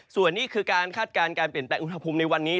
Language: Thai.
ส่วนนี้คือการคาดการณ์การเปลี่ยนแปลงอุณหภูมิในวันนี้